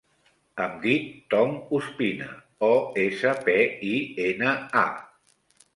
Em dic Tom Ospina: o, essa, pe, i, ena, a.